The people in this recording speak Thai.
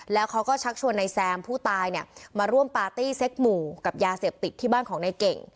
แล้วเขาก็ชักชวนนายแซมผู้ตายเนี่ยมาร่วมปาร์ตี้เซ็กหมู่กับยาเสพติดที่บ้านของนายเก่ง